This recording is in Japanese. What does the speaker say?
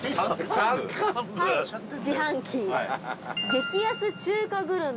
激安中華グルメ。